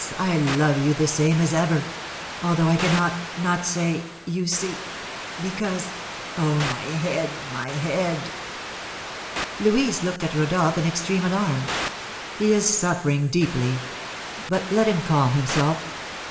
Ah! I love you the same as ever, although I cannot not say you see because oh, my head, my head!" Louise looked at Rodolph in extreme alarm. "He is suffering deeply; but let him calm himself.